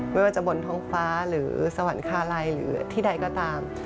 ไม่ว่าจะบนท้องฟ้าหรือสวรรคาลัยหรือที่ใดก็ตาม